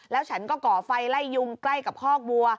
ฉันก็ก่อไฟไล่ยุงใกล้กับคอกวัว